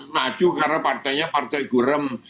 maju karena partainya partai gurem